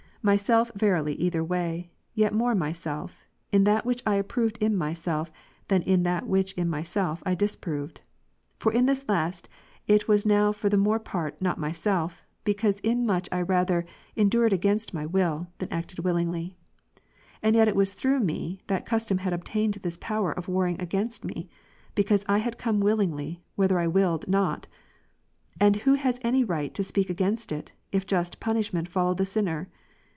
Myself verily either way '''; yet more myself, ^'' in that which I approved in myself, than in that which in Rom. 7, myself I disapproved. For in this last, it was nowfor themore ^^• part not myself, because in much I rather endured against my will, than acted willingly. And yet it was through me, that custom had obtained this power of warring against me, be cause I had come willingly, whither I willed not. And who has any right to speak against it, if just punishment^ follow the sinner